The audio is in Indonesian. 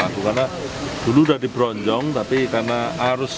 paku karena dulu sudah diperonjong tapi karena arus